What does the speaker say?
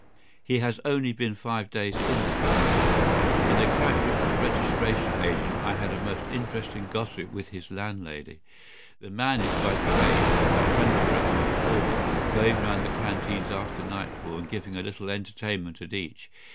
He has only been five days in the place. In the character of a registration agent I had a most interesting gossip with his landlady. The man is by trade a conjurer and performer, going round the canteens after nightfall, and giving a little entertainment at each.